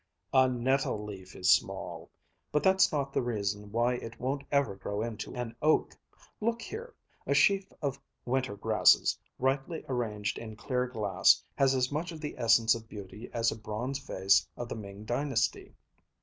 "A nettle leaf is small. But that's not the reason why it won't ever grow into an oak. Look here! A sheaf of winter grasses, rightly arranged in clear glass, has as much of the essence of beauty as a bronze vase of the Ming dynasty.